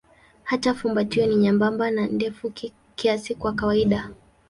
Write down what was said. Hata fumbatio ni nyembamba na ndefu kiasi kwa kawaida.